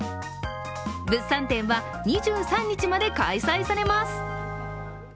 物産展は２３日まで開催されます。